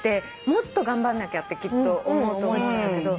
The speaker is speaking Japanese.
もっと頑張んなきゃってきっと思うと思うんだけど。